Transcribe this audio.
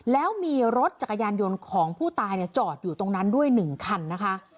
แล้วมีรถจักรยานยนต์ของผู้ตายจอดอยู่ตรงนั้นด้วย๑คันนะคะ